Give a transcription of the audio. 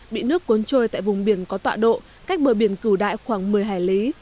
bị nước cuốn trôi tại vùng biển có tọa độ cách bờ biển cửa đại khoảng một mươi hải lý